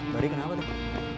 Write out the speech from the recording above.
barik kenapa tuh